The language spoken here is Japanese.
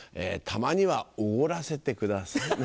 たまには奢らせてください。